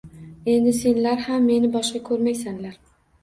Endi senlar ham meni boshqa ko`rmaysanlar